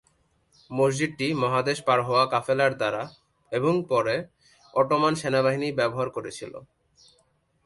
মসজিদটি মহাদেশ পার হওয়া কাফেলার দ্বারা এবং পরে অটোমান সেনাবাহিনী ব্যবহার করেছিল।